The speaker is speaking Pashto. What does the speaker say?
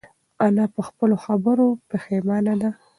انا په خپلو خبرو پښېمانه ده.